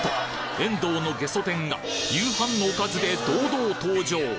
エンドーのゲソ天が夕飯のおかずで堂々登場！